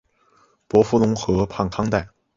伯夫龙河畔康代。